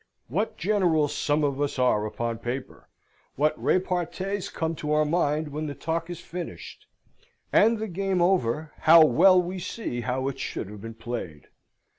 What generals some of us are upon paper! what repartees come to our mind when the talk is finished! and, the game over, how well we see how it should have been played!